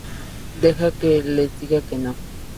Deja que les diga que no!